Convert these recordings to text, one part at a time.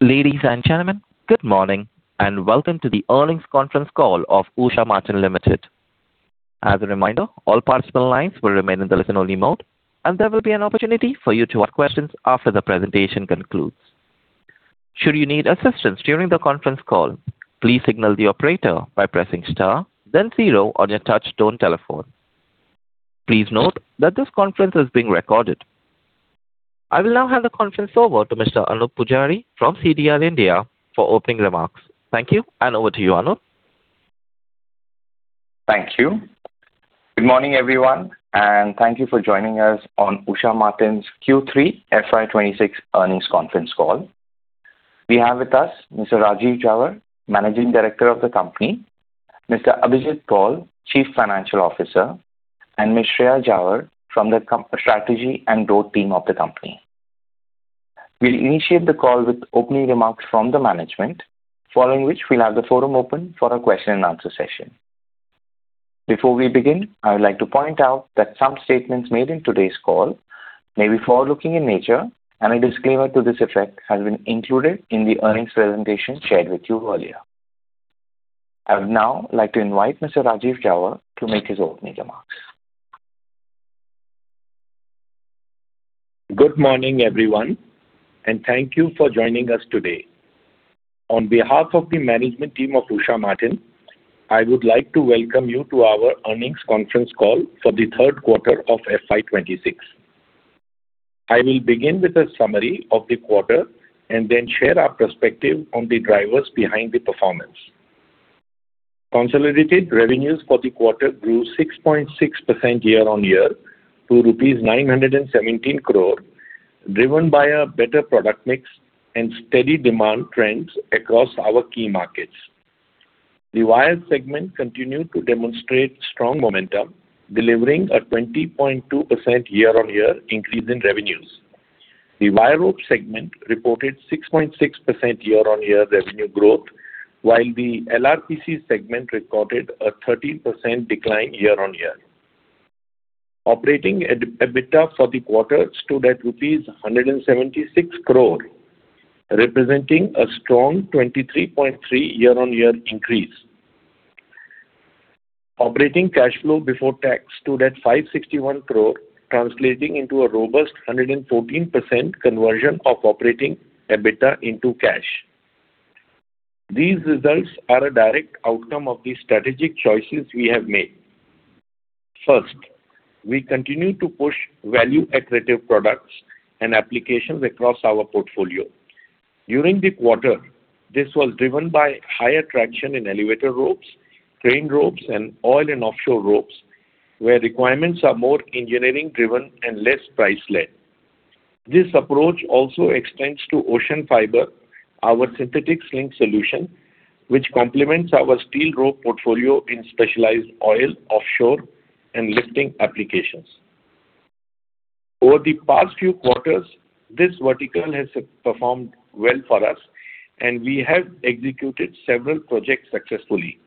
Ladies and gentlemen, good morning and welcome to the earnings conference call of Usha Martin Limited. As a reminder, all participant lines will remain in the listen-only mode, and there will be an opportunity for you to ask questions after the presentation concludes. Should you need assistance during the conference call, please signal the operator by pressing star, then zero on your touch-tone telephone. Please note that this conference is being recorded. I will now hand the conference over to Mr. Anup Poojari from CDR India for opening remarks. Thank you, and over to you, Anup. Thank you. Good morning, everyone, and thank you for joining us on Usha Martin's Q3 FY 2026 earnings conference call. We have with us Mr. Rajeev Jhawar, Managing Director of the company; Mr. Abhijit Paul, Chief Financial Officer; and Ms. Shreya Jhawar from the strategy and growth team of the company. We'll initiate the call with opening remarks from the management, following which we'll have the forum open for a question-and-answer session. Before we begin, I would like to point out that some statements made in today's call may be forward-looking in nature, and a disclaimer to this effect has been included in the earnings presentation shared with you earlier. I would now like to invite Mr. Rajeev Jhawar to make his opening remarks. Good morning, everyone, and thank you for joining us today. On behalf of the management team of Usha Martin, I would like to welcome you to our earnings conference call for the third quarter of FY 2026. I will begin with a summary of the quarter and then share our perspective on the drivers behind the performance. Consolidated revenues for the quarter grew 6.6% year-on-year to rupees 917 crore, driven by a better product mix and steady demand trends across our key markets. The wire segment continued to demonstrate strong momentum, delivering a 20.2% year-on-year increase in revenues. The wire rope segment reported 6.6% year-on-year revenue growth, while the LRPC segment recorded a 13% decline year-on-year. Operating EBITDA for the quarter stood at 176 crore, representing a strong 23.3% year-on-year increase. Operating cash flow before tax stood at 561 crore, translating into a robust 114% conversion of operating EBITDA into cash. These results are a direct outcome of the strategic choices we have made. First, we continue to push value-accretive products and applications across our portfolio. During the quarter, this was driven by higher traction in elevator ropes, crane ropes, and oil and offshore ropes, where requirements are more engineering-driven and less price-led. This approach also extends to OCEANFIBRE, our synthetic sling solution, which complements our steel rope portfolio in specialized oil, offshore, and lifting applications. Over the past few quarters, this vertical has performed well for us, and we have executed several projects successfully.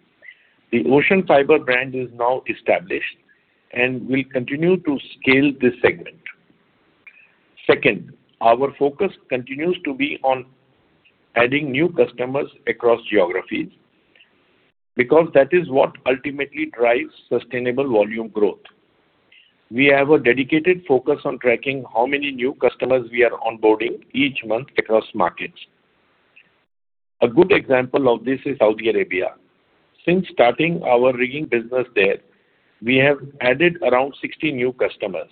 The OCEANFIBRE brand is now established and will continue to scale this segment. Second, our focus continues to be on adding new customers across geographies because that is what ultimately drives sustainable volume growth. We have a dedicated focus on tracking how many new customers we are onboarding each month across markets. A good example of this is Saudi Arabia. Since starting our rigging business there, we have added around 60 new customers.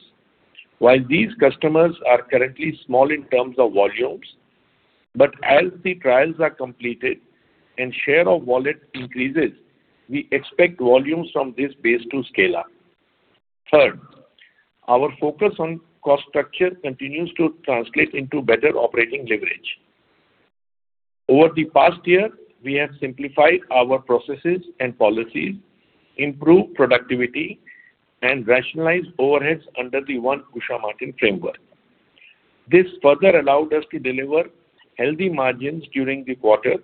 While these customers are currently small in terms of volumes, as the trials are completed and the share of wallet increases, we expect volumes from this base to scale up. Third, our focus on cost structure continues to translate into better operating leverage. Over the past year, we have simplified our processes and policies, improved productivity, and rationalized overheads under the One Usha Martin framework. This further allowed us to deliver healthy margins during the quarter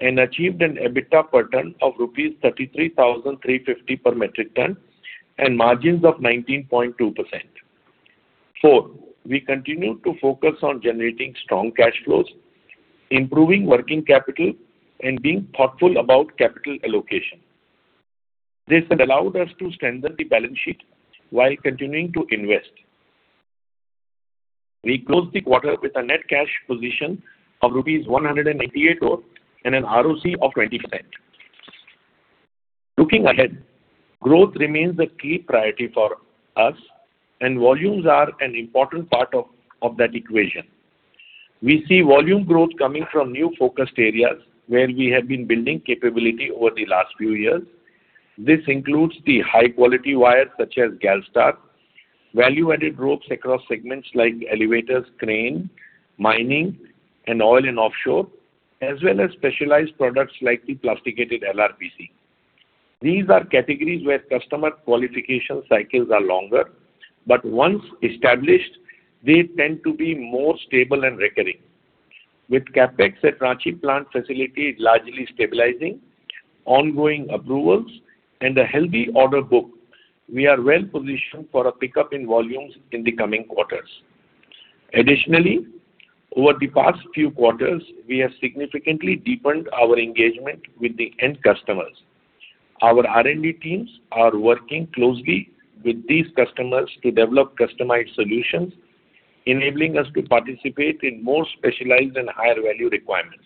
and achieved an EBITDA per ton of rupees 33,350 per metric ton and margins of 19.2%. Fourth, we continue to focus on generating strong cash flows, improving working capital, and being thoughtful about capital allocation. This has allowed us to strengthen the balance sheet while continuing to invest. We closed the quarter with a net cash position of rupees 198 crore and an ROC of 20%. Looking ahead, growth remains a key priority for us, and volumes are an important part of that equation. We see volume growth coming from new focused areas where we have been building capability over the last few years. This includes the high-quality wires such as GALSTAR, value-added ropes across segments like elevators, crane, mining, and oil and offshore, as well as specialized products like the plasticated LRPC. These are categories where customer qualification cycles are longer, but once established, they tend to be more stable and recurring. With CapEx at Ranchi plant facility largely stabilizing, ongoing approvals, and a healthy order book, we are well positioned for a pickup in volumes in the coming quarters. Additionally, over the past few quarters, we have significantly deepened our engagement with the end customers. Our R&D teams are working closely with these customers to develop customized solutions, enabling us to participate in more specialized and higher-value requirements.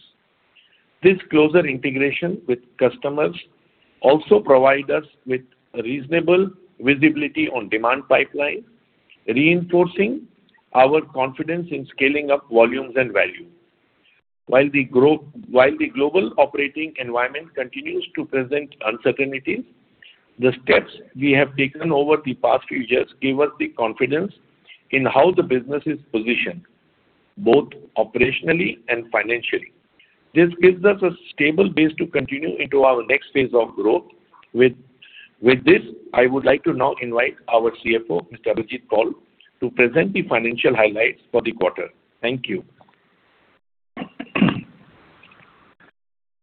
This closer integration with customers also provides us with reasonable visibility on demand pipelines, reinforcing our confidence in scaling up volumes and value. While the global operating environment continues to present uncertainties, the steps we have taken over the past few years give us the confidence in how the business is positioned, both operationally and financially. This gives us a stable base to continue into our next phase of growth. With this, I would like to now invite our CFO, Mr. Abhijit Paul, to present the financial highlights for the quarter. Thank you.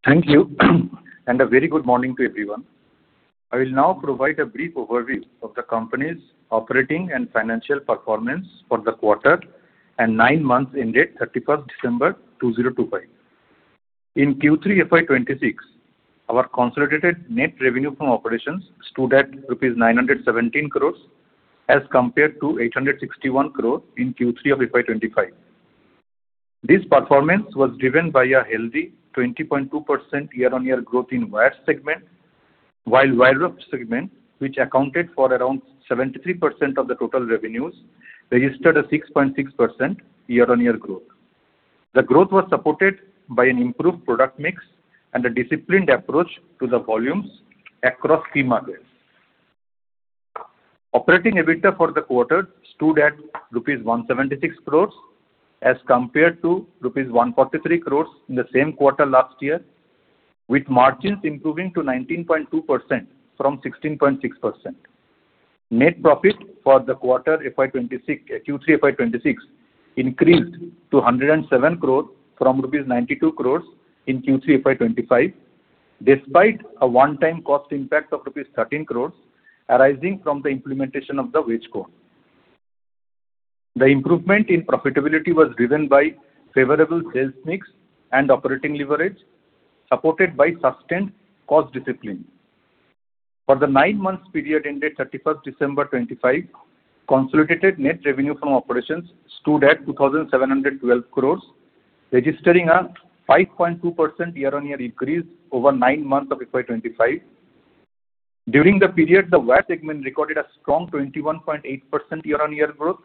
Thank you, and a very good morning to everyone. I will now provide a brief overview of the company's operating and financial performance for the quarter and nine months ended 31st December 2025. In Q3 FY 2026, our consolidated net revenue from operations stood at rupees 917 crore as compared to 861 crore in Q3 of FY 2025. This performance was driven by a healthy 20.2% year-on-year growth in wire segment, while wire rope segment, which accounted for around 73% of the total revenues, registered a 6.6% year-on-year growth. The growth was supported by an improved product mix and a disciplined approach to the volumes across key markets. Operating EBITDA for the quarter stood at rupees 176 crore as compared to rupees 143 crore in the same quarter last year, with margins improving to 19.2% from 16.6%. Net profit for the quarter Q3 FY 2026 increased to 107 crore from rupees 92 crore in Q3 FY 2025, despite a one-time cost impact of rupees 13 crore arising from the implementation of the Wage Code. The improvement in profitability was driven by favorable sales mix and operating leverage, supported by sustained cost discipline. For the nine-month period ended 31st December 2025, consolidated net revenue from operations stood at 2,712 crore, registering a 5.2% year-on-year increase over nine months of FY 2025. During the period, the wire segment recorded a strong 21.8% year-on-year growth,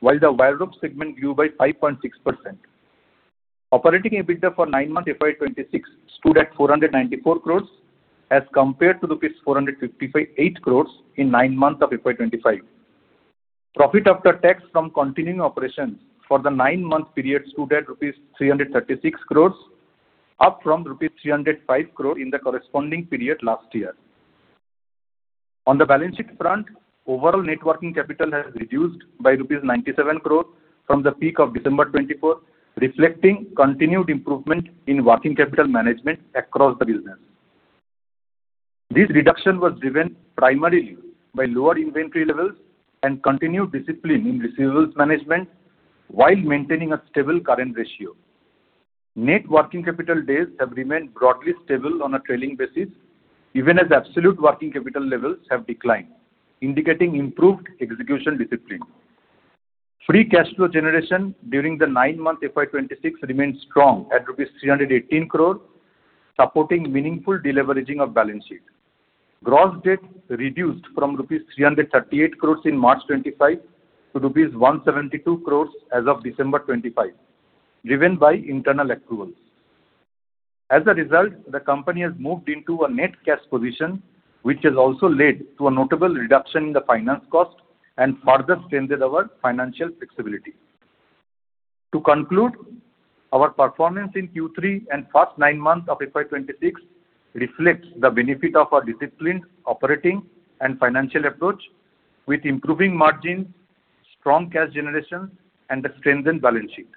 while the wire rope segment grew by 5.6%. Operating EBITDA for nine-month FY 2026 stood at 494 crore as compared to rupees 458 crore in nine months of FY 2025. Profit after tax from continuing operations for the nine-month period stood at rupees 336 crore, up from rupees 305 crore in the corresponding period last year. On the balance sheet front, overall net working capital has reduced by rupees 97 crore from the peak of December 2024, reflecting continued improvement in working capital management across the business. This reduction was driven primarily by lower inventory levels and continued discipline in receivables management, while maintaining a stable current ratio. Net working capital days have remained broadly stable on a trailing basis, even as absolute working capital levels have declined, indicating improved execution discipline. Free cash flow generation during the nine-month FY 2026 remained strong at INR 318 crore, supporting meaningful deleveraging of balance sheet. Gross debt reduced from rupees 338 crore in March 2025 to rupees 172 crore as of December 2025, driven by internal approvals. As a result, the company has moved into a net cash position, which has also led to a notable reduction in the finance cost and further strengthened our financial flexibility. To conclude, our performance in Q3 and past nine months of FY 2026 reflects the benefit of our disciplined operating and financial approach, with improving margins, strong cash generation, and a strengthened balance sheet.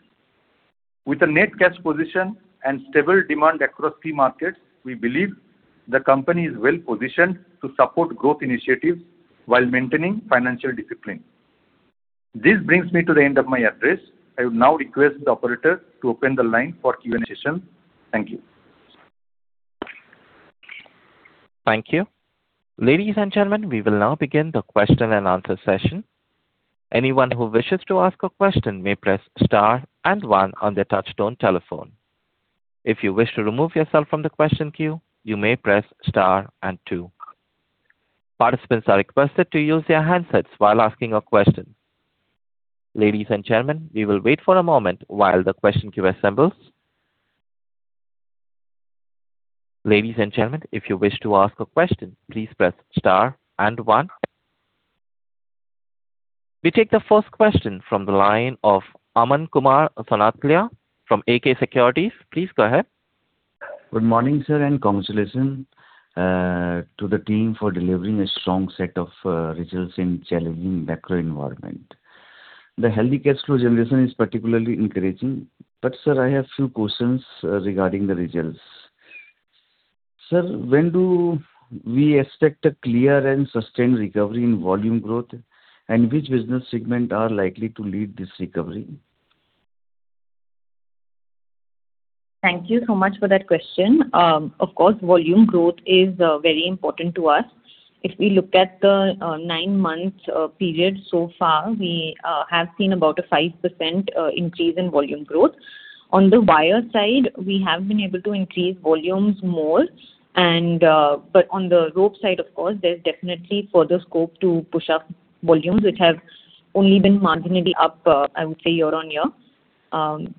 With a net cash position and stable demand across key markets, we believe the company is well positioned to support growth initiatives while maintaining financial discipline. This brings me to the end of my address. I would now request the operator to open the line for Q&A session. Thank you. Thank you. Ladies and gentlemen, we will now begin the question-and-answer session. Anyone who wishes to ask a question may press star and one on their touch-tone telephone. If you wish to remove yourself from the question queue, you may press star and two. Participants are requested to use their handsets while asking a question. Ladies and gentlemen, we will wait for a moment while the question queue assembles. Ladies and gentlemen, if you wish to ask a question, please press star and one. We take the first question from the line of Aman Kumar Sonthalia from AK Securities. Please go ahead. Good morning, sir, and congratulations to the team for delivering a strong set of results in challenging macro environment. The healthy cash flow generation is particularly encouraging. But, sir, I have a few questions regarding the results. Sir, when do we expect a clear and sustained recovery in volume growth, and which business segments are likely to lead this recovery? Thank you so much for that question. Of course, volume growth is very important to us. If we look at the nine-month period so far, we have seen about a 5% increase in volume growth. On the wire side, we have been able to increase volumes more, but on the rope side, of course, there's definitely further scope to push up volumes, which have only been marginally up, I would say, year-on-year.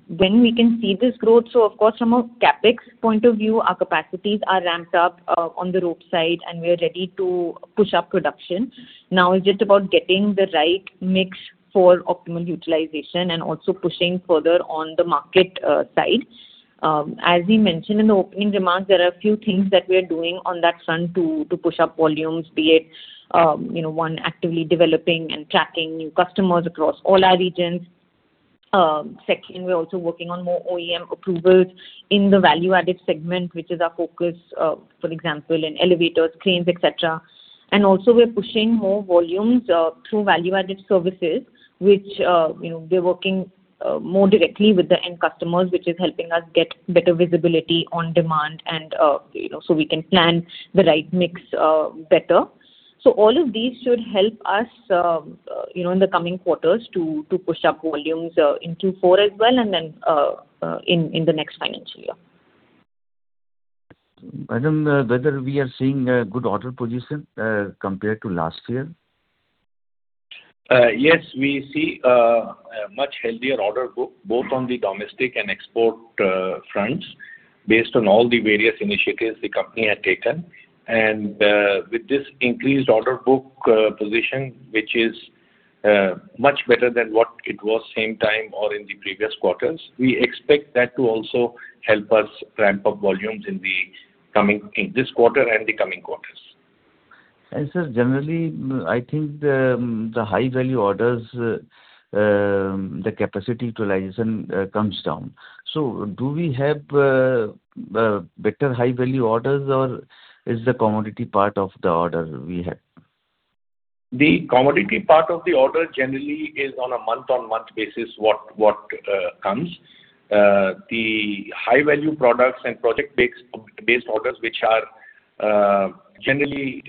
When we can see this growth, so of course, from a CapEx point of view, our capacities are ramped up on the rope side, and we are ready to push up production. Now, it's just about getting the right mix for optimal utilization and also pushing further on the market side. As we mentioned in the opening remarks, there are a few things that we are doing on that front to push up volumes, be it one actively developing and tracking new customers across all our regions. Second, we're also working on more OEM approvals in the value-added segment, which is our focus, for example, in elevators, cranes, etc. And also, we're pushing more volumes through value-added services, which we're working more directly with the end customers, which is helping us get better visibility on demand so we can plan the right mix better. So all of these should help us in the coming quarters to push up volumes into four as well and then in the next financial year. Madam, whether we are seeing a good order position compared to last year? Yes, we see a much healthier order book both on the domestic and export fronts based on all the various initiatives the company had taken. With this increased order book position, which is much better than what it was same time or in the previous quarters, we expect that to also help us ramp up volumes in this quarter and the coming quarters. Sir, generally, I think the high-value orders, the capacity utilization comes down. Do we have better high-value orders, or is the commodity part of the order we have? The commodity part of the order generally is on a month-on-month basis what comes. The high-value products and project-based orders, which are generally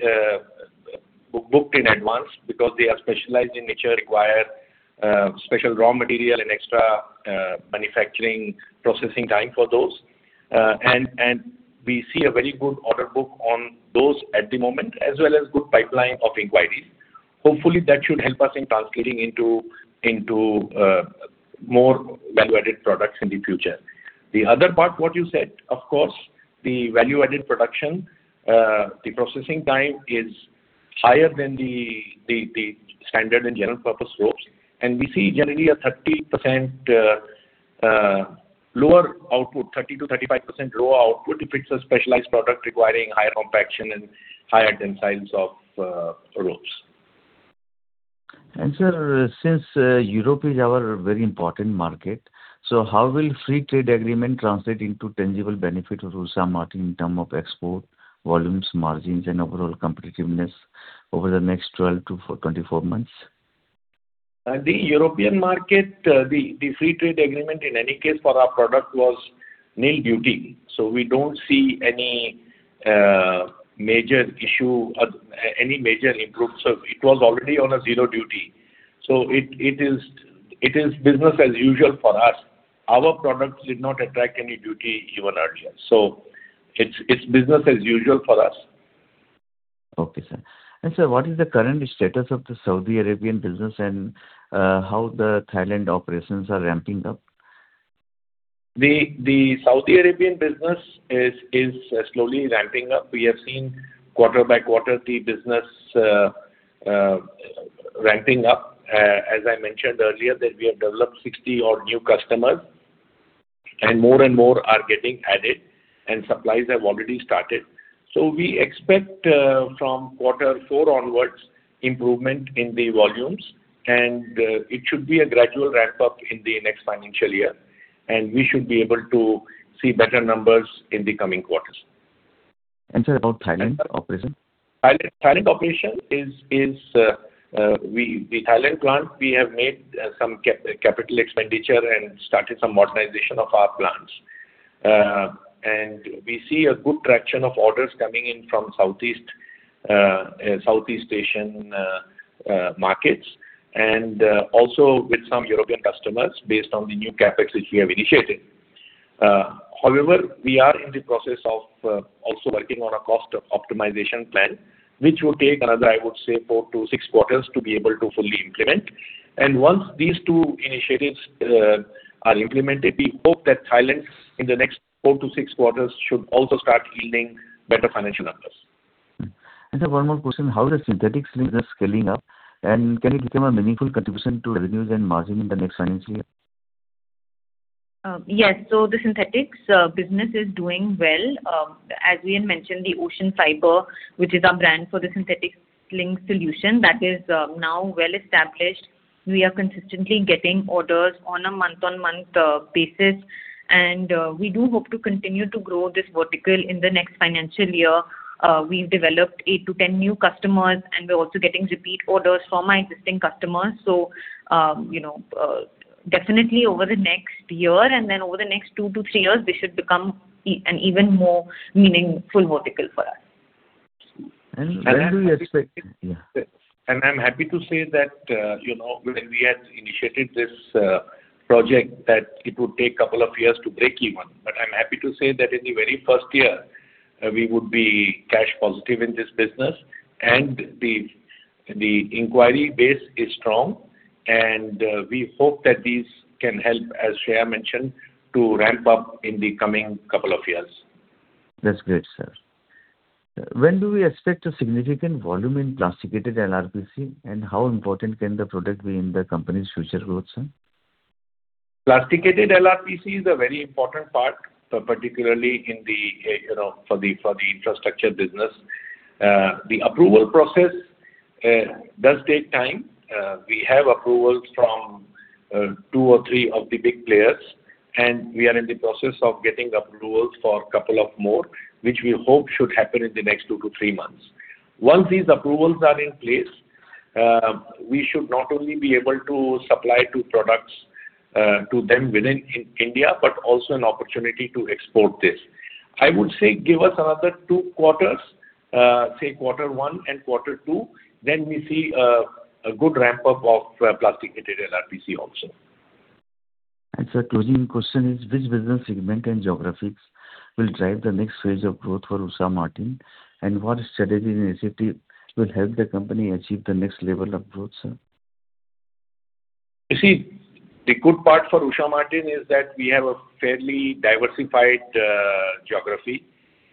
booked in advance because they are specialized in nature, require special raw material and extra manufacturing processing time for those. We see a very good order book on those at the moment, as well as good pipeline of inquiries. Hopefully, that should help us in translating into more value-added products in the future. The other part, what you said, of course, the value-added production, the processing time is higher than the standard and general-purpose ropes. We see generally a 30% lower output, 30%-35% lower output if it's a specialized product requiring higher compaction and higher tensiles of ropes. Sir, since Europe is our very important market, so how will Free Trade Agreement translate into tangible benefit for Usha Martin in terms of export volumes, margins, and overall competitiveness over the next 12 months-24 months? The European market, the Free Trade Agreement in any case for our product was nil duty. So we don't see any major issue, any major improvement. So it was already on a zero duty. So it is business as usual for us. Our products did not attract any duty even earlier. So it's business as usual for us. Okay, sir. And, sir, what is the current status of the Saudi Arabian business and how the Thailand operations are ramping up? The Saudi Arabian business is slowly ramping up. We have seen quarter by quarter the business ramping up. As I mentioned earlier, that we have developed 60 new customers, and more and more are getting added, and supplies have already started. So we expect from quarter four onwards improvement in the volumes, and it should be a gradual ramp-up in the next financial year, and we should be able to see better numbers in the coming quarters. Sir, about Thailand operation? Thailand operation, the Thailand plant, we have made some capital expenditure and started some modernization of our plants. We see a good traction of orders coming in from Southeast Asian markets and also with some European customers based on the new CapEx which we have initiated. However, we are in the process of also working on a cost optimization plan, which will take another, I would say, 4-6 quarters to be able to fully implement. Once these two initiatives are implemented, we hope that Thailand in the next 4-6 quarters should also start yielding better financial numbers. Sir, one more question. How is the synthetics business scaling up, and can it become a meaningful contribution to revenues and margin in the next financial year? Yes. So the synthetics business is doing well. As we had mentioned, the OCEANFIBRE, which is our brand for the synthetics sling solution, that is now well established. We are consistently getting orders on a month-on-month basis, and we do hope to continue to grow this vertical in the next financial year. We've developed 8-10 new customers, and we're also getting repeat orders from our existing customers. So definitely over the next year and then over the next 2 years-3 years, this should become an even more meaningful vertical for us. When do you expect? I'm happy to say that when we had initiated this project, that it would take a couple of years to break even. But I'm happy to say that in the very first year, we would be cash positive in this business, and the inquiry base is strong. And we hope that these can help, as Shreya mentioned, to ramp up in the coming couple of years. That's great, sir. When do we expect a significant volume in plasticated LRPC, and how important can the product be in the company's future growth, sir? Plasticated LRPC is a very important part, particularly for the infrastructure business. The approval process does take time. We have approvals from two or three of the big players, and we are in the process of getting approvals for a couple of more, which we hope should happen in the next 2 months-3 months. Once these approvals are in place, we should not only be able to supply products to them within India, but also an opportunity to export this. I would say give us another two quarters, say quarter one and quarter two, then we see a good ramp-up of plasticated LRPC also. Sir, closing question is, which business segment and geographies will drive the next phase of growth for Usha Martin, and what strategy and initiative will help the company achieve the next level of growth, sir? You see, the good part for Usha Martin is that we have a fairly diversified geography,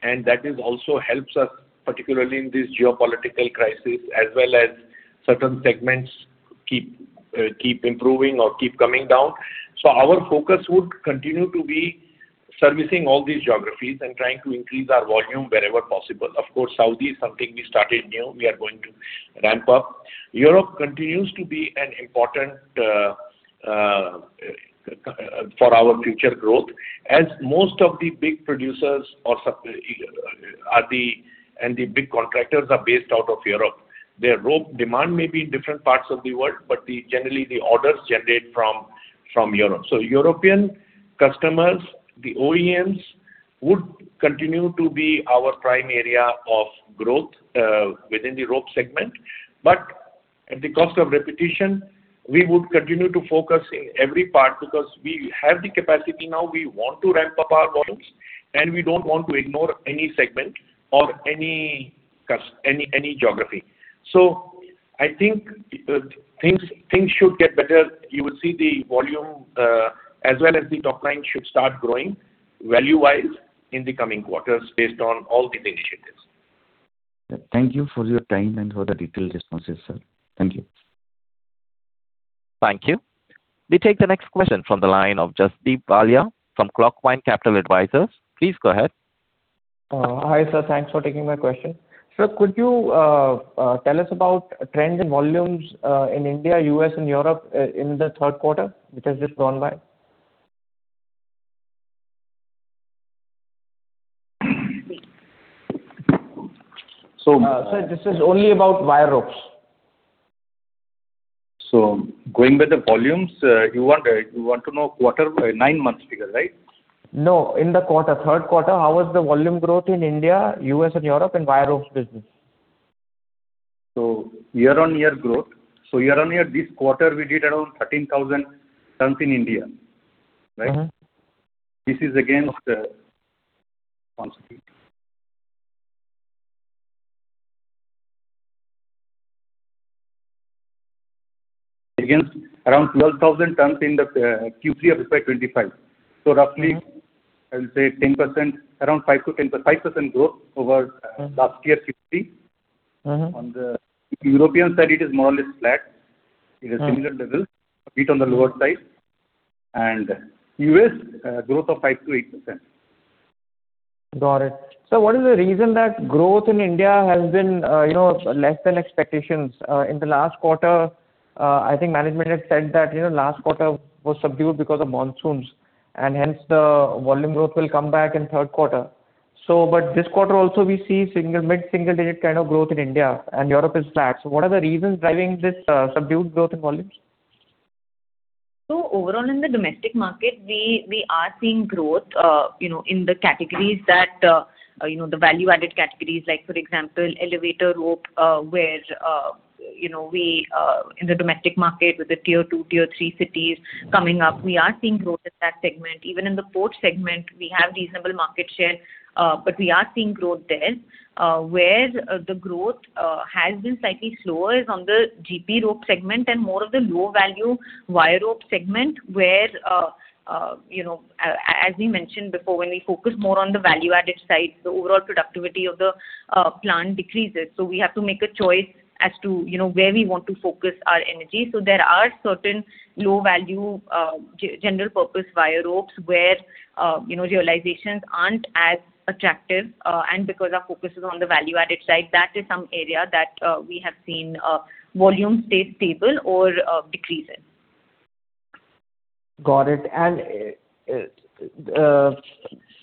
and that also helps us, particularly in this geopolitical crisis, as well as certain segments keep improving or keep coming down. So our focus would continue to be servicing all these geographies and trying to increase our volume wherever possible. Of course, Saudi is something we started new. We are going to ramp up. Europe continues to be an important for our future growth, as most of the big producers and the big contractors are based out of Europe. The rope demand may be in different parts of the world, but generally, the orders generate from Europe. So European customers, the OEMs, would continue to be our prime area of growth within the rope segment. At the cost of repetition, we would continue to focus in every part because we have the capacity now. We want to ramp up our volumes, and we don't want to ignore any segment or any geography. I think things should get better. You will see the volume, as well as the top line, should start growing value-wise in the coming quarters based on all these initiatives. Thank you for your time and for the detailed responses, sir. Thank you. Thank you. We take the next question from the line of Jasdeep Walia from Clockvine Capital Advisors. Please go ahead. Hi, sir. Thanks for taking my question. Sir, could you tell us about trend and volumes in India, U.S., and Europe in the third quarter, which has just gone by? Sir, this is only about wire ropes. Going by the volumes, you want to know quarter 9 month figure, right? No. In the third quarter, how was the volume growth in India, U.S., and Europe in wire ropes business? Year-on-year growth. Year-on-year, this quarter, we did around 13,000 tons in India, right? This is against around 12,000 tons in the Q3 of 2025. Roughly, I would say 10%, around 5%-10% growth over last year's Q3. On the European side, it is more or less flat. It is similar level, a bit on the lower side. U.S., growth of 5%-8%. Got it. Sir, what is the reason that growth in India has been less than expectations? In the last quarter, I think management had said that last quarter was subdued because of monsoons, and hence the volume growth will come back in third quarter. But this quarter also, we see mid-single-digit kind of growth in India, and Europe is flat. So what are the reasons driving this subdued growth in volumes? So overall, in the domestic market, we are seeing growth in the categories that the value-added categories, like for example, elevator rope, where in the domestic market with the tier two, tier three cities coming up, we are seeing growth in that segment. Even in the port segment, we have reasonable market share, but we are seeing growth there. Where the growth has been slightly slower is on the GP rope segment and more of the low-value wire rope segment, where, as we mentioned before, when we focus more on the value-added side, the overall productivity of the plant decreases. So we have to make a choice as to where we want to focus our energy. So there are certain low-value general-purpose wire ropes where realizations aren't as attractive. Because our focus is on the value-added side, that is some area that we have seen volume stay stable or decrease in. Got it.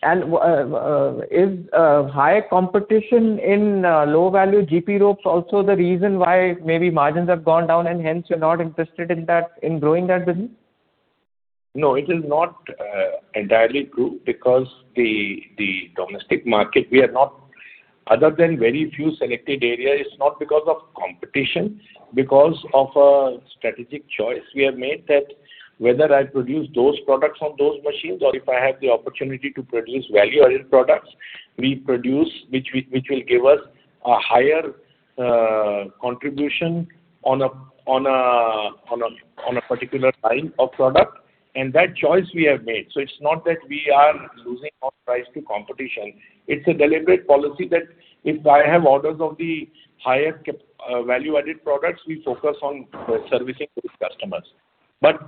Is high competition in low-value GP ropes also the reason why maybe margins have gone down, and hence you're not interested in growing that business? No, it is not entirely true because the domestic market, we are not other than very few selected areas. It's not because of competition, because of a strategic choice we have made that whether I produce those products on those machines or if I have the opportunity to produce value-added products, we produce, which will give us a higher contribution on a particular line of product. And that choice we have made. So it's not that we are losing our price to competition. It's a deliberate policy that if I have orders of the higher value-added products, we focus on servicing those customers. But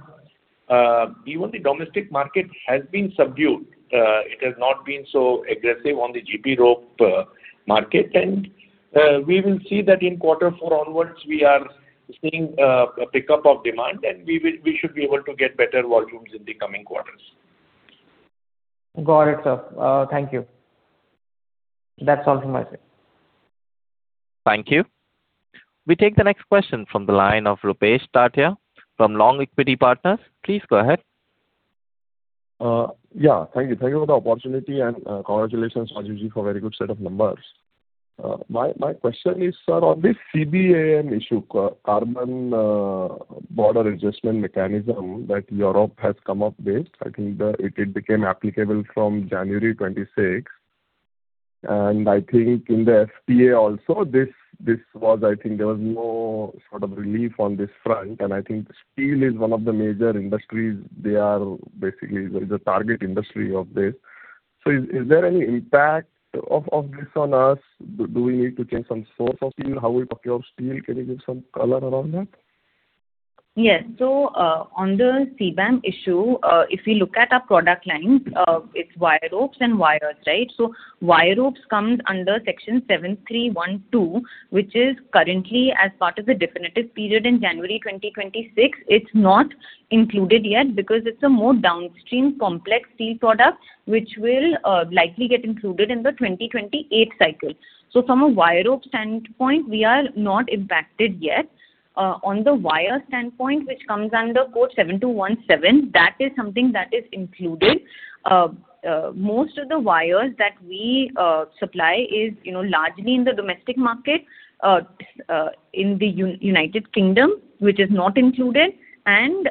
even the domestic market has been subdued. It has not been so aggressive on the GP rope market. We will see that in quarter four onwards, we are seeing a pickup of demand, and we should be able to get better volumes in the coming quarters. Got it, sir. Thank you. That's all from my side. Thank you. We take the next question from the line of Rupesh Tatiya from Long Equity Partners. Please go ahead. Yeah. Thank you. Thank you for the opportunity, and congratulations, Rajeev ji, for a very good set of numbers. My question is, sir, on this CBAM issue, carbon border adjustment mechanism that Europe has come up with. I think it became applicable from January 2026. And I think in the FTA also, this was, I think there was no sort of relief on this front. And I think steel is one of the major industries. They are basically the target industry of this. So is there any impact of this on us? Do we need to change some source of steel? How will we procure steel? Can you give some color around that? Yes. So on the CBAM issue, if you look at our product lines, it's wire ropes and wires, right? So wire ropes comes under Section 7312, which is currently, as part of the definitive period in January 2026, it's not included yet because it's a more downstream complex steel product, which will likely get included in the 2028 cycle. So from a wire rope standpoint, we are not impacted yet. On the wire standpoint, which comes under Code 7217, that is something that is included. Most of the wires that we supply is largely in the domestic market in the United Kingdom, which is not included, and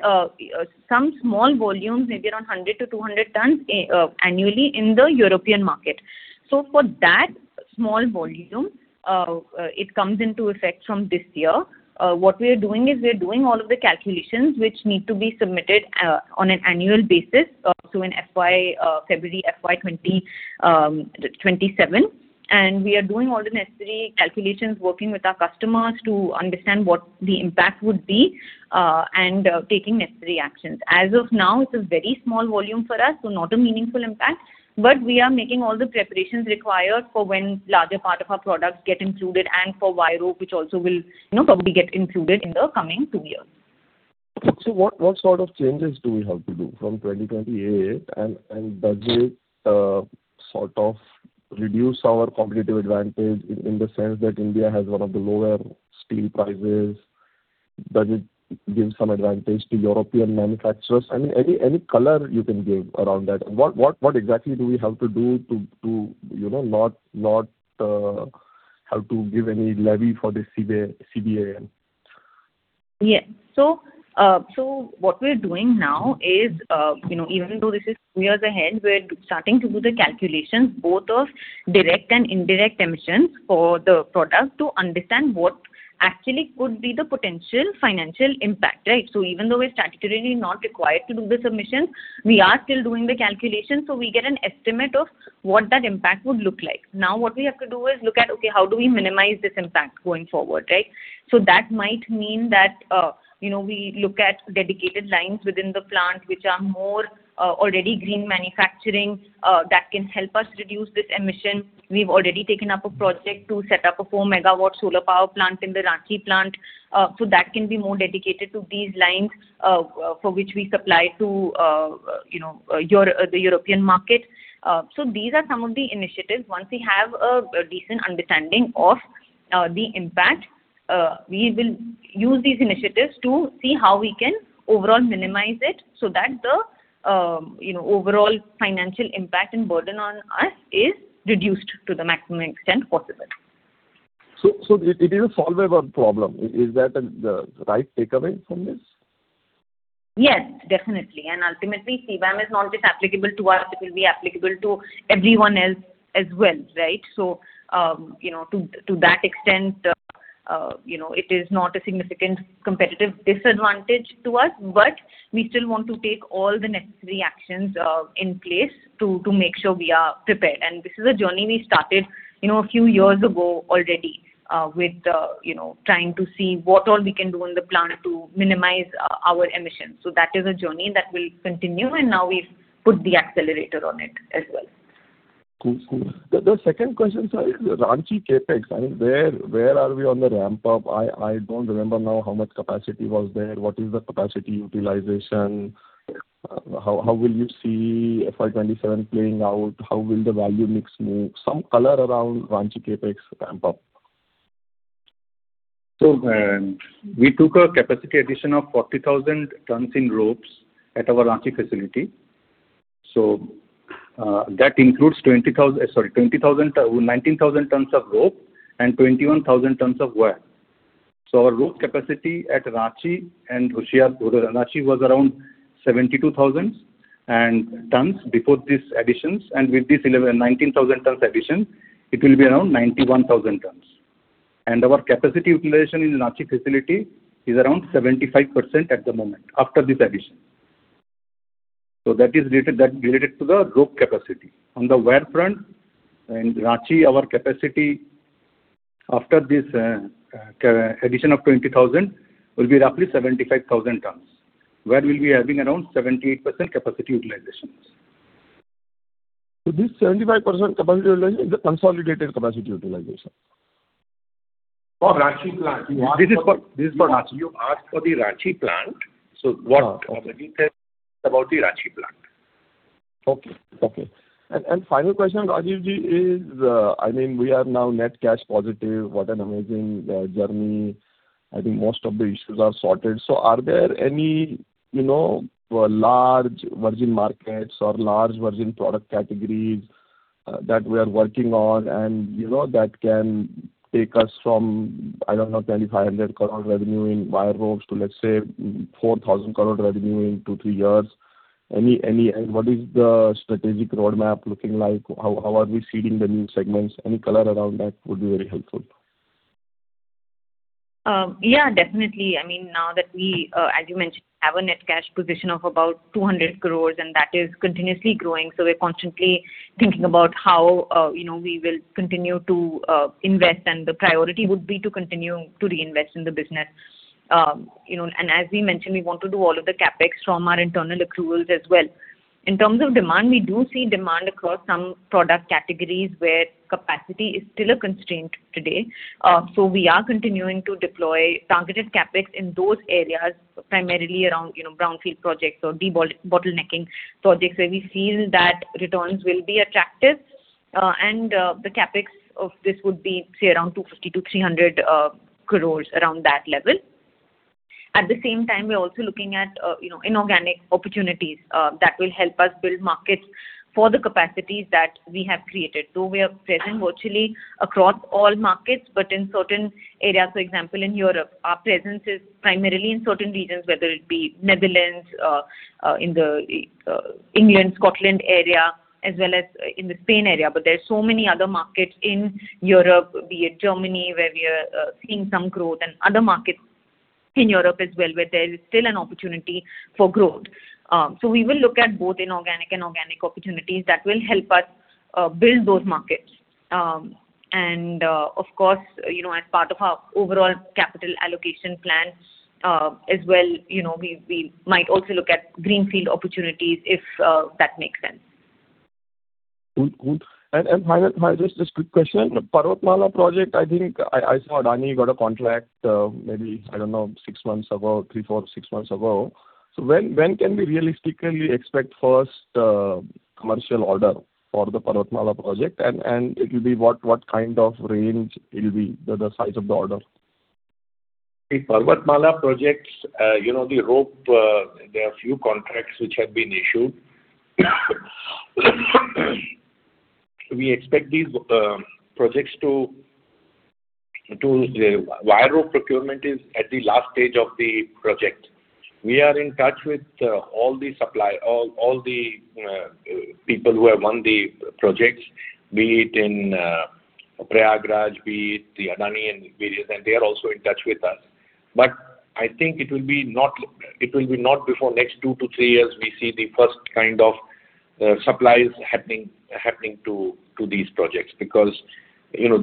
some small volumes, maybe around 100 tons-200 tons annually in the European market. So for that small volume, it comes into effect from this year. What we are doing is we are doing all of the calculations which need to be submitted on an annual basis, so in February FY 2027. We are doing all the necessary calculations, working with our customers to understand what the impact would be and taking necessary actions. As of now, it's a very small volume for us, so not a meaningful impact, but we are making all the preparations required for when a larger part of our products get included and for wire rope, which also will probably get included in the coming two years. So what sort of changes do we have to do from 2028? And does it sort of reduce our competitive advantage in the sense that India has one of the lower steel prices? Does it give some advantage to European manufacturers? I mean, any color you can give around that. What exactly do we have to do to not have to give any levy for the CBAM? Yes. So what we're doing now is, even though this is two years ahead, we're starting to do the calculations, both of direct and indirect emissions for the product to understand what actually could be the potential financial impact, right? So even though we're statutorily not required to do the submissions, we are still doing the calculations, so we get an estimate of what that impact would look like. Now, what we have to do is look at, okay, how do we minimize this impact going forward, right? So that might mean that we look at dedicated lines within the plant, which are more already green manufacturing that can help us reduce this emission. We've already taken up a project to set up a 4 MW solar power plant in the Ranchi plant, so that can be more dedicated to these lines for which we supply to the European market. So these are some of the initiatives. Once we have a decent understanding of the impact, we will use these initiatives to see how we can overall minimize it so that the overall financial impact and burden on us is reduced to the maximum extent possible. So it is a solvable problem. Is that the right takeaway from this? Yes, definitely. Ultimately, CBAM is not just applicable to us. It will be applicable to everyone else as well, right? To that extent, it is not a significant competitive disadvantage to us, but we still want to take all the necessary actions in place to make sure we are prepared. This is a journey we started a few years ago already with trying to see what all we can do in the plant to minimize our emissions. That is a journey that will continue, and now we've put the accelerator on it as well. The second question, sir, is Ranchi CapEx. I mean, where are we on the ramp-up? I don't remember now how much capacity was there. What is the capacity utilization? How will you see FY 2027 playing out? How will the value mix move? Some color around Ranchi CapEx ramp-up. We took a capacity addition of 40,000 tons in ropes at our Ranchi facility. That includes 19,000 tons of rope and 21,000 tons of wire. Our rope capacity at Ranchi and Hoshiarpur was around 72,000 tons before this addition. With this 19,000-ton addition, it will be around 91,000 tons. Our capacity utilization in Ranchi facility is around 75% at the moment after this addition. That is related to the rope capacity. On the wire front, in Ranchi, our capacity after this addition of 20,000 will be roughly 75,000 tons, where we'll be having around 78% capacity utilization. This 75% capacity utilization is the consolidated capacity utilization? For Ranchi plant. This is for Ranchi. You asked for the Ranchi plant. So what are you telling about the Ranchi plant? Okay. Okay. And final question, Rajeev ji, is I mean, we are now net cash positive. What an amazing journey. I think most of the issues are sorted. So are there any large virgin markets or large virgin product categories that we are working on that can take us from, I don't know, 2,500 crore revenue in wire ropes to, let's say, 4,000 crore revenue in two, three years? And what is the strategic roadmap looking like? How are we seeding the new segments? Any color around that would be very helpful. Yeah, definitely. I mean, now that we, as you mentioned, have a net cash position of about 200 crore, and that is continuously growing. So we're constantly thinking about how we will continue to invest, and the priority would be to continue to reinvest in the business. And as we mentioned, we want to do all of the CapEx from our internal accruals as well. In terms of demand, we do see demand across some product categories where capacity is still a constraint today. So we are continuing to deploy targeted CapEx in those areas, primarily around brownfield projects or debottlenecking projects where we feel that returns will be attractive. And the CapEx of this would be, say, around 250 crore-300 crore around that level. At the same time, we're also looking at inorganic opportunities that will help us build markets for the capacities that we have created. Though we are present virtually across all markets, but in certain areas, for example, in Europe, our presence is primarily in certain regions, whether it be Netherlands, in the England, Scotland area, as well as in the Spain area. But there are so many other markets in Europe, be it Germany, where we are seeing some growth, and other markets in Europe as well, where there is still an opportunity for growth. So we will look at both inorganic and organic opportunities that will help us build those markets. And of course, as part of our overall capital allocation plan as well, we might also look at greenfield opportunities if that makes sense. Good. Just a quick question. Parvatmala project, I think I saw Adani got a contract maybe, I don't know, 6 months ago, 3 months, 4 months, 6 months ago. When can we realistically expect first commercial order for the Parvatmala project? And it will be what kind of range will be the size of the order? The Parvatmala project, the rope, there are a few contracts which have been issued. We expect these projects to wire rope procurement is at the last stage of the project. We are in touch with all the people who have won the projects, be it in Prayagraj, be it the Adani and various, and they are also in touch with us. But I think it will be not before next 2 years-3 years we see the first kind of supplies happening to these projects because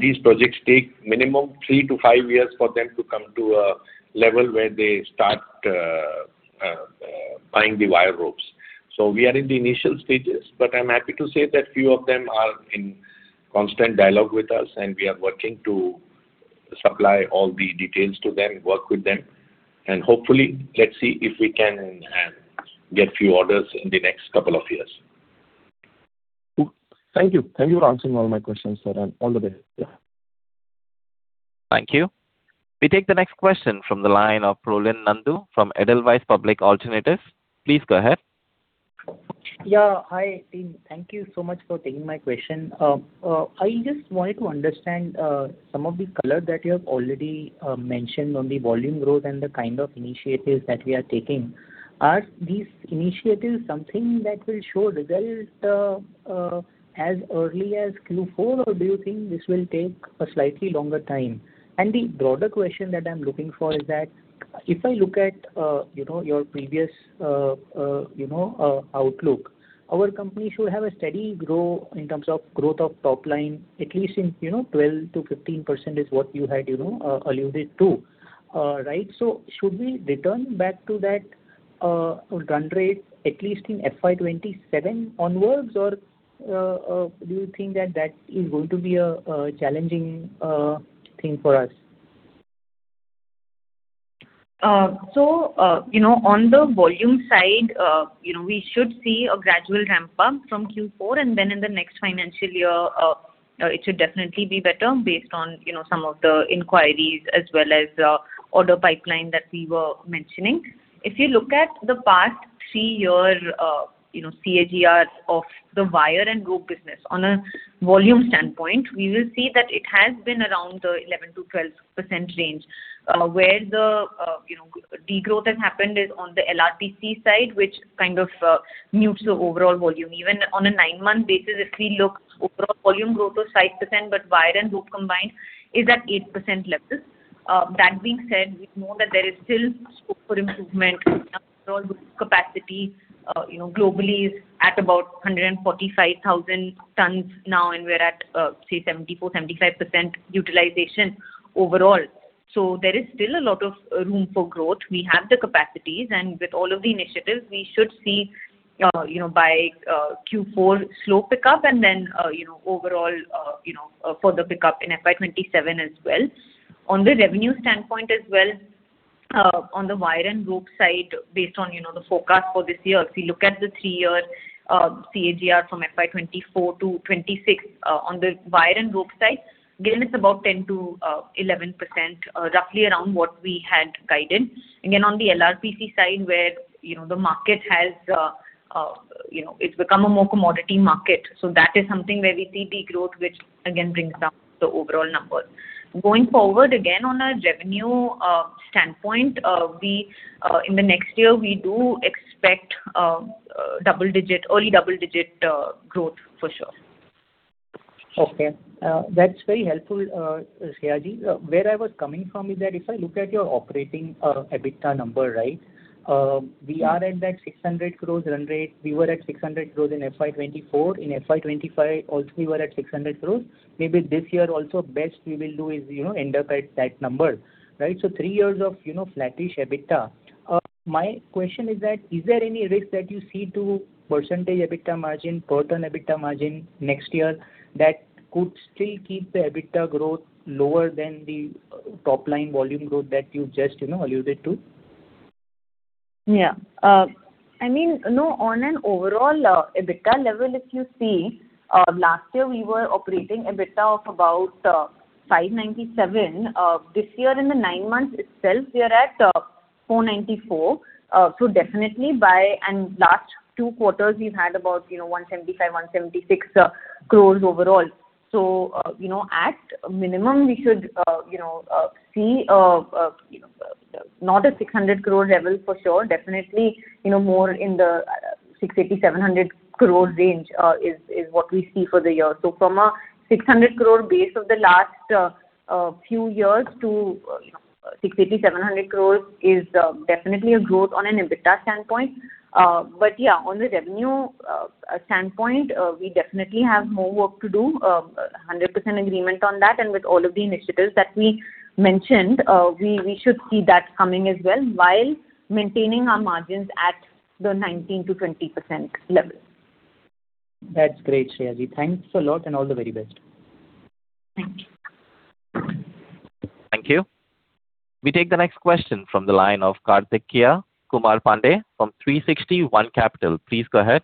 these projects take minimum 3 years-5 years for them to come to a level where they start buying the wire ropes. So we are in the initial stages, but I'm happy to say that few of them are in constant dialogue with us, and we are working to supply all the details to them, work with them. Hopefully, let's see if we can get few orders in the next couple of years. Thank you. Thank you for answering all my questions, sir, and all the best. Thank you. We take the next question from the line of Prolin Nandu from Edelweiss Public Alternatives. Please go ahead. Yeah. Hi, team. Thank you so much for taking my question. I just wanted to understand some of the color that you have already mentioned on the volume growth and the kind of initiatives that we are taking. Are these initiatives something that will show result as early as Q4, or do you think this will take a slightly longer time? And the broader question that I'm looking for is that if I look at your previous outlook, our company should have a steady growth in terms of growth of top line, at least in 12%-15% is what you had alluded to, right? So should we return back to that run rate at least in FY 2027 onwards, or do you think that that is going to be a challenging thing for us? So on the volume side, we should see a gradual ramp-up from Q4, and then in the next financial year, it should definitely be better based on some of the inquiries as well as the order pipeline that we were mentioning. If you look at the past three-year CAGR of the wire and rope business, on a volume standpoint, we will see that it has been around the 11%-12% range. Where the degrowth has happened is on the LRPC side, which kind of mutes the overall volume. Even on a nine-month basis, if we look, overall volume growth was 5%, but wire and rope combined is at 8% level. That being said, we know that there is still scope for improvement. Our overall capacity globally is at about 145,000 tons now, and we're at, say, 74%-75% utilization overall. So there is still a lot of room for growth. We have the capacities, and with all of the initiatives, we should see by Q4 slow pickup and then overall further pickup in FY 2027 as well. On the revenue standpoint as well, on the wire and rope side, based on the forecast for this year, if we look at the 3-year CAGR from FY 2024 to 2026, on the wire and rope side, again, it's about 10%-11%, roughly around what we had guided. Again, on the LRPC side, where the market has become a more commodity market, so that is something where we see degrowth, which again brings down the overall number. Going forward, again, on a revenue standpoint, in the next year, we do expect early double-digit growth for sure. Okay. That's very helpful, Shreya ji. Where I was coming from is that if I look at your operating EBITDA number, right, we are at that 600 crore run rate. We were at 600 crore in FY 2024. In FY 2025, also we were at 600 crore. Maybe this year also best we will do is end up at that number, right? So three years of flattish EBITDA. My question is that, is there any risk that you see to percentage EBITDA margin, per ton EBITDA margin next year that could still keep the EBITDA growth lower than the top line volume growth that you just alluded to? Yeah. I mean, on an overall EBITDA level, if you see, last year we were operating EBITDA of about 597 crore. This year, in the nine months itself, we are at 494 crore. So definitely, by last two quarters, we've had about 175 crores, 176 crores overall. So at minimum, we should see not a 600 crore level for sure. Definitely, more in the 680 crore-700 crore range is what we see for the year. So from a 600 crore base of the last few years to 680 crore-700 crore is definitely a growth on an EBITDA standpoint. But yeah, on the revenue standpoint, we definitely have more work to do. 100% agreement on that. And with all of the initiatives that we mentioned, we should see that coming as well while maintaining our margins at the 19%-20% level. That's great, Shreya ji. Thanks a lot and all the very best. Thank you. Thank you. We take the next question from the line of Kartikeya Kumar Pandey from 360 ONE Capital. Please go ahead.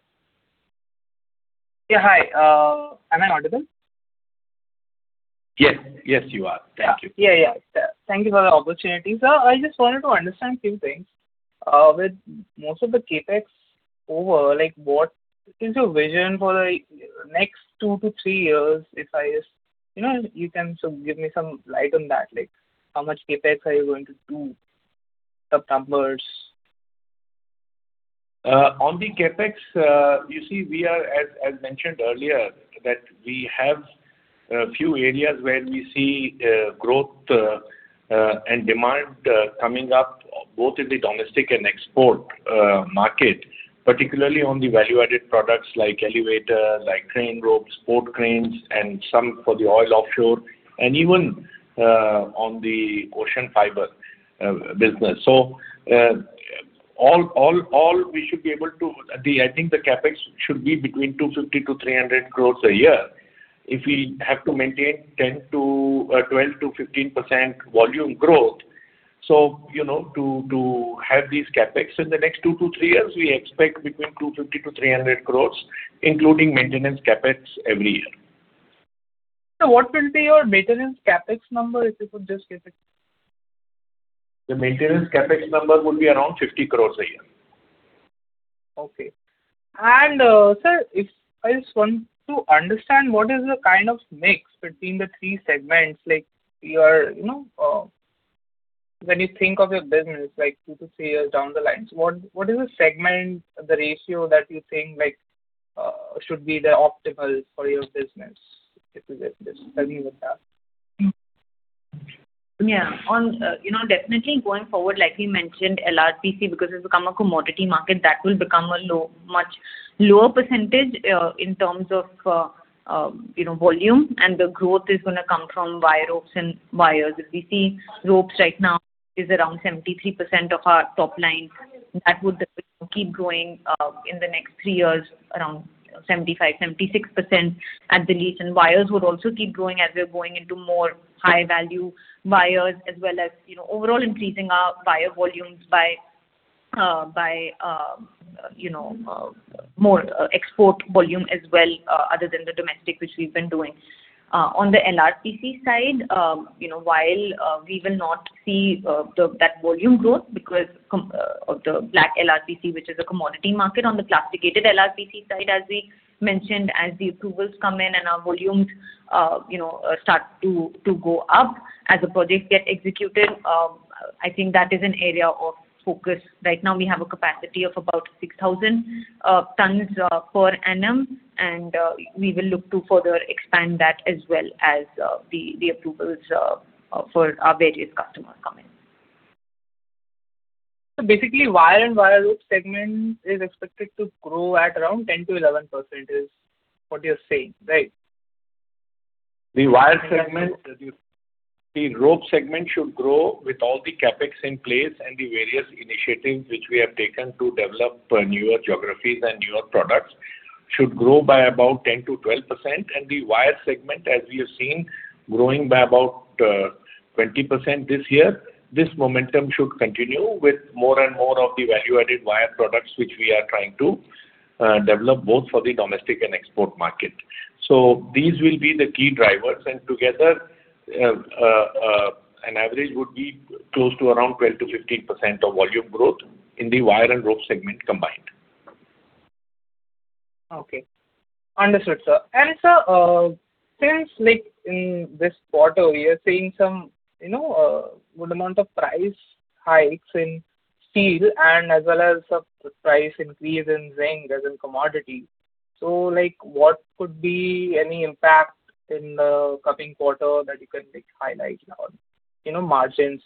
Yeah. Hi. Am I audible? Yes. Yes, you are. Thank you. Yeah, yeah. Thank you for the opportunity. So I just wanted to understand a few things. With most of the CapEx over, what is your vision for the next two to three years? If you can give me some light on that, how much CapEx are you going to do, some numbers? On the CapEx, you see, as mentioned earlier, that we have a few areas where we see growth and demand coming up, both in the domestic and export market, particularly on the value-added products like elevator, like crane ropes, port cranes, and some for the oil offshore, and even on the OCEANFIBRE business. So all we should be able to, I think the CapEx should be between 250 crore-300 crore a year if we have to maintain 12%-15% volume growth. So to have these CapEx in the next 2-3 years, we expect between 250 crore-300 crore, including maintenance CapEx every year. What will be your maintenance CapEx number, if you could just give it? The maintenance CapEx number would be around 50 crore a year. Okay. And sir, if I just want to understand, what is the kind of mix between the three segments? When you think of your business, like 2 years-3 years down the line, what is the segment, the ratio that you think should be the optimal for your business? Just tell me what that? Yeah. Definitely, going forward, like we mentioned, LRPC, because it's become a commodity market, that will become a much lower percentage in terms of volume, and the growth is going to come from wire ropes and wires. If we see ropes right now, it's around 73% of our top line. That would keep growing in the next three years around 75%-76% at the least. And wires would also keep growing as we're going into more high-value wires, as well as overall increasing our wire volumes by more export volume as well, other than the domestic, which we've been doing. On the LRPC side, while we will not see that volume growth because of the black LRPC, which is a commodity market, on the plasticated LRPC side, as we mentioned, as the approvals come in and our volumes start to go up as the projects get executed, I think that is an area of focus. Right now, we have a capacity of about 6,000 tons per annum, and we will look to further expand that as well as the approvals for our various customers coming. So basically, wire and wire rope segment is expected to grow at around 10%-11%, is what you're saying, right? The wire segment, the rope segment should grow with all the CapEx in place and the various initiatives which we have taken to develop newer geographies and newer products should grow by about 10%-12%. The wire segment, as we have seen, growing by about 20% this year. This momentum should continue with more and more of the value-added wire products, which we are trying to develop both for the domestic and export market. These will be the key drivers, and together, an average would be close to around 12%-15% of volume growth in the wire and rope segment combined. Okay. Understood, sir. Sir, since in this quarter, we are seeing some good amount of price hikes in steel and as well as a price increase in zinc as a commodity. What could be any impact in the coming quarter that you can highlight on margins?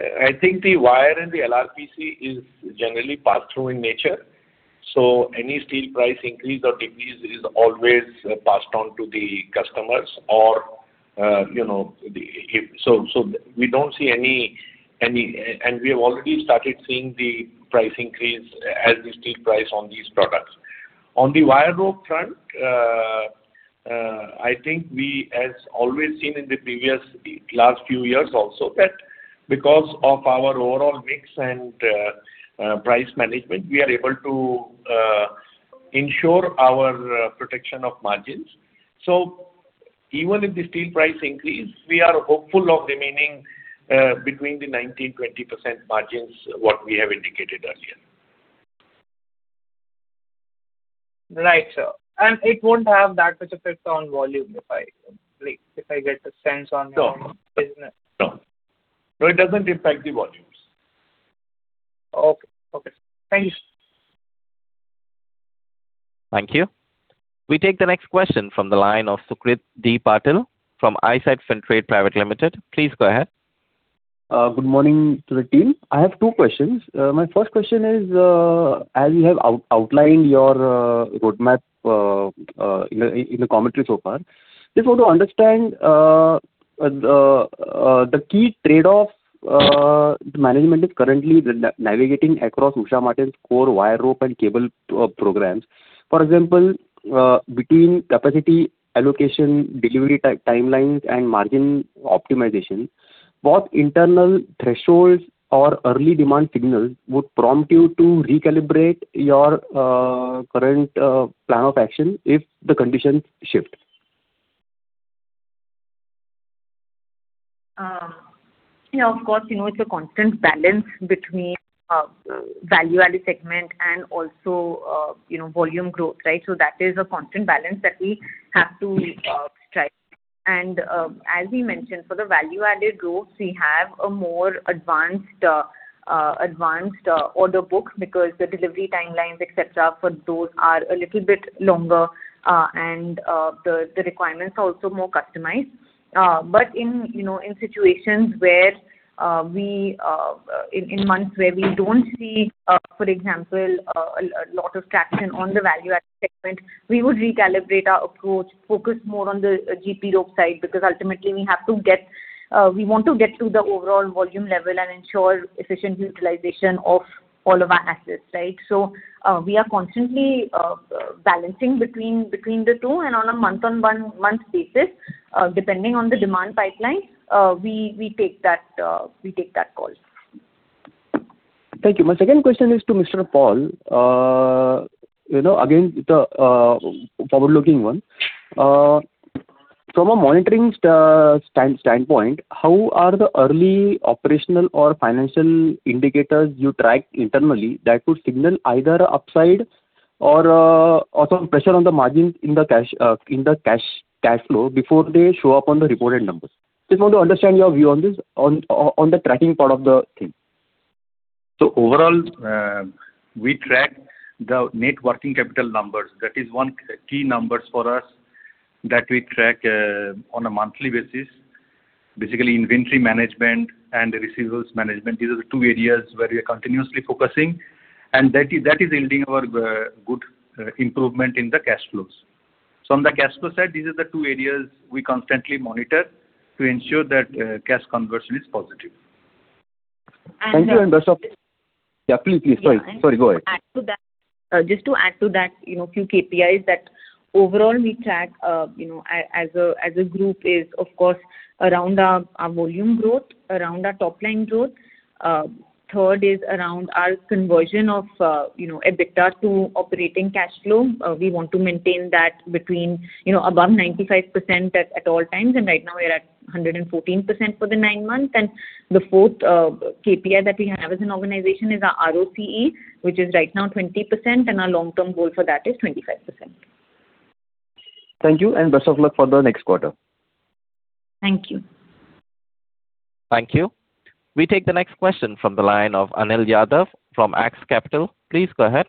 I think the wire and the LRPC is generally pass-through in nature. So any steel price increase or decrease is always passed on to the customers. So we don't see any and we have already started seeing the price increase as the steel price on these products. On the wire rope front, I think we have always seen in the previous last few years also that because of our overall mix and price management, we are able to ensure our protection of margins. So even if the steel price increases, we are hopeful of remaining between the 19%-20% margins what we have indicated earlier. Right, sir. It won't have that much effect on volume if I get the sense on your business? No. No. It doesn't impact the volumes. Okay. Okay. Thank you. Thank you. We take the next question from the line of Sucrit D. Patil from Eyesight Fintrade Private Limited. Please go ahead. Good morning to the team. I have two questions. My first question is, as you have outlined your roadmap in the commentary so far, just want to understand the key trade-offs the management is currently navigating across Usha Martin's core wire rope and cable programs. For example, between capacity allocation, delivery timelines, and margin optimization, what internal thresholds or early demand signals would prompt you to recalibrate your current plan of action if the conditions shift? Yeah. Of course, it's a constant balance between value-added segment and also volume growth, right? So that is a constant balance that we have to strive. And as we mentioned, for the value-added growth, we have a more advanced order book because the delivery timelines, etc., for those are a little bit longer, and the requirements are also more customized. But in situations where we in months where we don't see, for example, a lot of traction on the value-added segment, we would recalibrate our approach, focus more on the GP rope side because ultimately, we want to get to the overall volume level and ensure efficient utilization of all of our assets, right? So we are constantly balancing between the two, and on a month-on-month basis, depending on the demand pipeline, we take that call. Thank you. My second question is to Mr. Paul. Again, it's a forward-looking one. From a monitoring standpoint, how are the early operational or financial indicators you track internally that could signal either an upside or some pressure on the margins in the cash flow before they show up on the reported numbers? Just want to understand your view on this, on the tracking part of the thing. So overall, we track the net working capital numbers. That is one key number for us that we track on a monthly basis. Basically, inventory management and receivables management, these are the two areas where we are continuously focusing, and that is yielding a good improvement in the cash flows. So on the cash flow side, these are the two areas we constantly monitor to ensure that cash conversion is positive. Thank you. And? Yeah. Please, please. Sorry. Sorry. Go ahead. Just to add to that few KPIs that overall we track as a group is, of course, around our volume growth, around our top line growth. Third is around our conversion of EBITDA to operating cash flow. We want to maintain that between above 95% at all times, and right now, we are at 114% for the nine months. The fourth KPI that we have as an organization is our ROCE, which is right now 20%, and our long-term goal for that is 25%. Thank you. Best of luck for the next quarter. Thank you. Thank you. We take the next question from the line of Anil Yadav from Axis Capital. Please go ahead.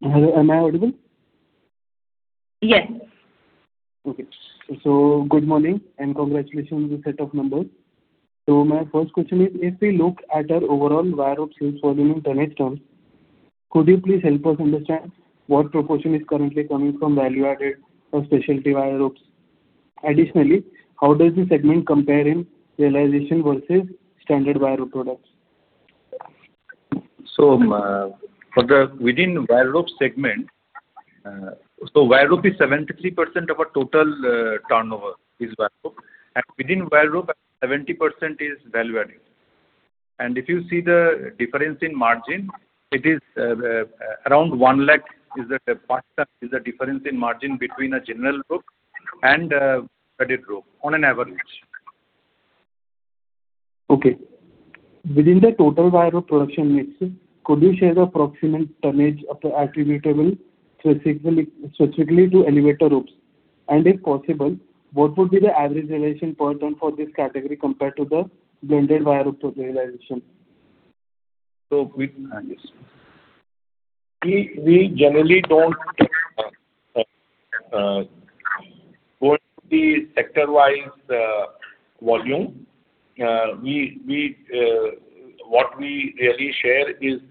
Hello. Am I audible? Yes. Okay. Good morning and congratulations on the set of numbers. My first question is, if we look at our overall wire rope sales volume in 10x terms, could you please help us understand what proportion is currently coming from value-added or specialty wire ropes? Additionally, how does the segment compare in realization versus standard wire rope products? Within wire rope segment, so wire rope is 73% of our total turnover, is wire rope. And within wire rope, 70% is value-added. And if you see the difference in margin, it is around 1 lakh is the difference in margin between a general rope and a crane rope on average. Okay. Within the total wire rope production mix, could you share the approximate tonnage attributable specifically to elevator ropes? And if possible, what would be the average realization per ton for this category compared to the blended wire rope realization? We generally don't go into the sector-wise volume. What we really share is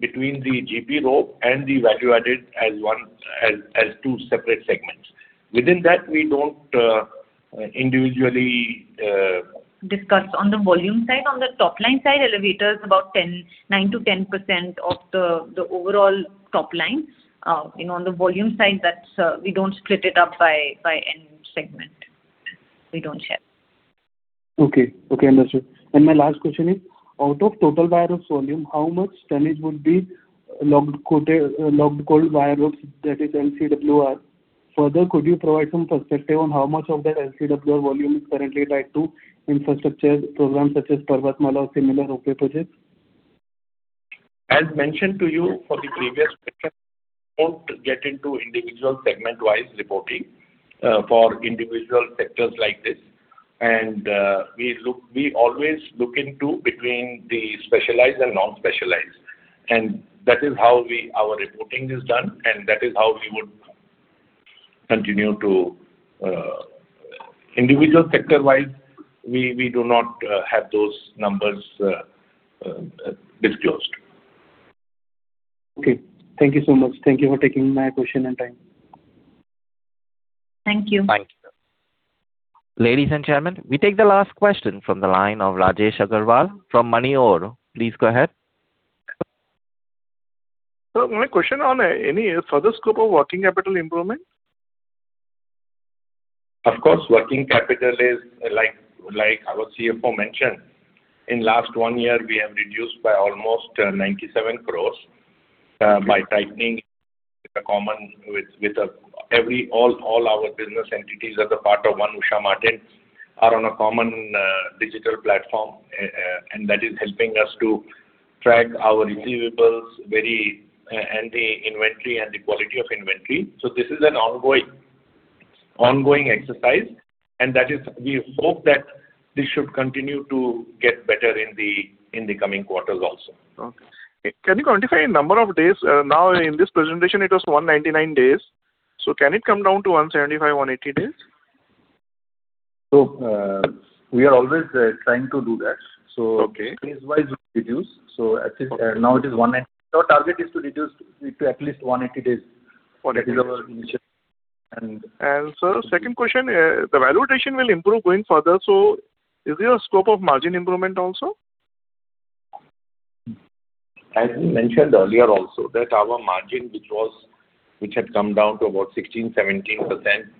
between the GP rope and the value-added as two separate segments. Within that, we don't individually. Discuss on the volume side. On the top line side, elevator is about 9%-10% of the overall top line. On the volume side, we don't split it up by any segment. We don't share. Okay. Okay. Understood. My last question is, out of total wire rope volume, how much tonnage would be locked coil wire ropes, that is, LCWR? Further, could you provide some perspective on how much of that LCWR volume is currently tied to infrastructure programs such as Parvatmala or similar ropeway projects? As mentioned to you for the previous question, we don't get into individual segment-wise reporting for individual sectors like this. We always look into between the specialized and non-specialized. That is how our reporting is done, and that is how we would continue to individual sector-wise. We do not have those numbers disclosed. Okay. Thank you so much. Thank you for taking my question and time. Thank you. Thank you. Ladies and gentlemen, we take the last question from the line of Rajesh Agarwal from moneyore. Please go ahead. My question on any further scope of working capital improvement? Of course. Working capital is, like our CFO mentioned, in the last 1 year, we have reduced by almost 97 crore by tightening with a common with all our business entities as a part of One Usha Martin are on a common digital platform, and that is helping us to track our receivables and the inventory and the quality of inventory. So this is an ongoing exercise, and we hope that this should continue to get better in the coming quarters also. Okay. Can you quantify the number of days? Now, in this presentation, it was 199 days. So can it come down to 175 days, 180 days? We are always trying to do that. Case-wise, we reduce. Now it is 190 days. Our target is to reduce to at least 180 days. Okay. That is our initiative. Sir, second question, the valuation will improve going further. Is there a scope of margin improvement also? As we mentioned earlier also that our margin, which had come down to about 16%-17%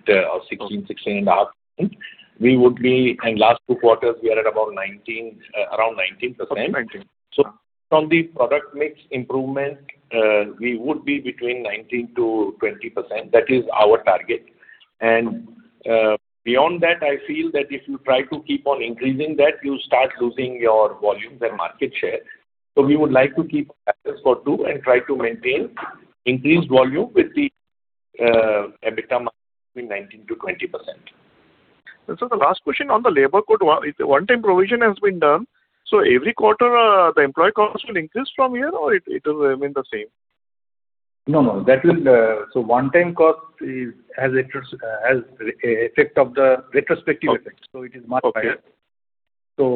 or 16%-16.5%, we would be in the last two quarters, we are at about 19%, around 19%. About 19%. From the product mix improvement, we would be between 19%-20%. That is our target. Beyond that, I feel that if you try to keep on increasing that, you start losing your volumes and market share. We would like to keep status quo too and try to maintain increased volume with the EBITDA margin between 19%-20%. Sir, the last question on the labor code, one-time provision has been done. Every quarter, the employee cost will increase from here or it will remain the same? No, no. So one-time cost has effect of the retrospective effect. So it is marked higher. So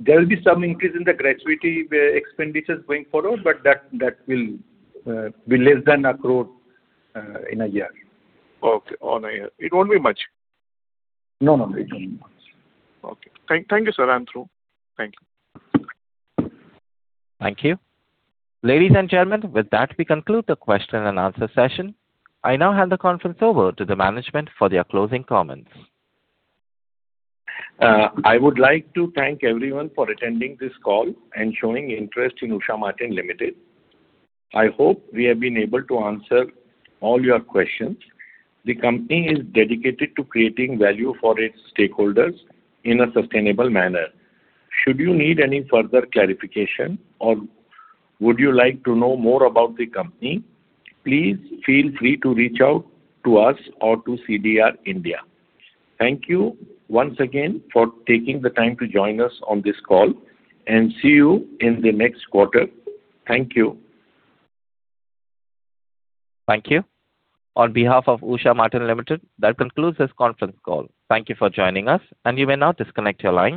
there will be some increase in the gratuity expenditures going forward, but that will be less than 1 crore in a year. Okay. On a year. It won't be much. No, no. It won't be much. Okay. Thank you, sir. I'm through. Thank you. Thank you. Ladies and gentlemen, with that, we conclude the question-and-answer session. I now hand the conference over to the management for their closing comments. I would like to thank everyone for attending this call and showing interest in Usha Martin Limited. I hope we have been able to answer all your questions. The company is dedicated to creating value for its stakeholders in a sustainable manner. Should you need any further clarification or would you like to know more about the company, please feel free to reach out to us or to CDR India. Thank you once again for taking the time to join us on this call, and see you in the next quarter. Thank you. Thank you. On behalf of Usha Martin Limited, that concludes this conference call. Thank you for joining us, and you may now disconnect your line.